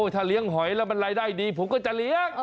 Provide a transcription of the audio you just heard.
ถ้าเลี้ยงหอยแล้วมันรายได้ดีผมก็จะเลี้ยง